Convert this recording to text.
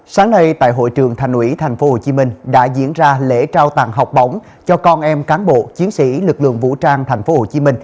sáng nay tại hội trường thành ủy tp hcm đã diễn ra lễ trao tặng học bổng cho con em cán bộ chiến sĩ lực lượng vũ trang tp hcm